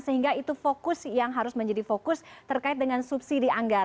sehingga itu fokus yang harus menjadi fokus terkait dengan subsidi anggaran